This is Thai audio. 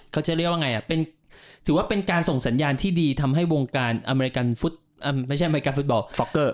เขาจะเรียกว่าไงถือว่าเป็นการส่งสัญญาณที่ดีทำให้วงการอเมริกาฟุตบอล